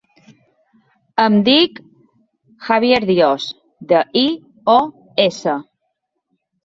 Em dic Javier Dios: de, i, o, essa.